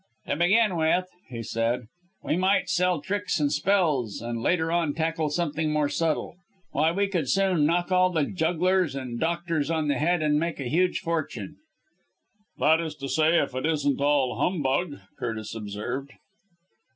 "To begin with," he said, "we might sell tricks and spells, and later on tackle something more subtle. Why, we could soon knock all the jugglers and doctors on the head and make a huge fortune." "That is to say if it isn't all humbug!" Curtis observed.